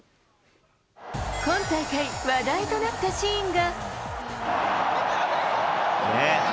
今大会、話題となったシーンが。